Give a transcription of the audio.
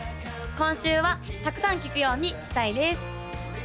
今週はたくさん聴くようにしたいです